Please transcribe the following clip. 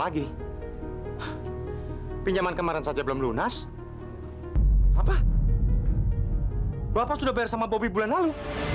lagi pinjaman kemarin saja belum lunas apa bapak sudah bayar sama bobi bulan lalu